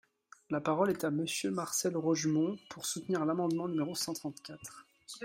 La parole est à Monsieur Marcel Rogemont, pour soutenir l’amendement numéro cent trente-quatre.